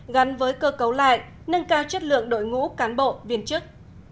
gắn với cơ cấu lại nâng cao chất lượng đội ngũ cán bộ viên chức